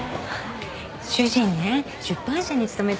主人ね出版社に勤めてるのよ。